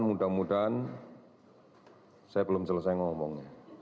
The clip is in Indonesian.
mudah mudahan saya belum selesai ngomongnya